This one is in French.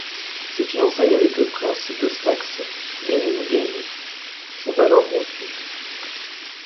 Ses fiançailles avec le prince de Saxe-Meiningen sont alors rompues.